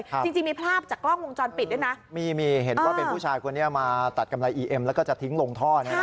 จริงจริงมีภาพจากกล้องวงจรปิดด้วยนะมีมีเห็นว่าเป็นผู้ชายคนนี้มาตัดกำไรอีเอ็มแล้วก็จะทิ้งลงท่อนะฮะ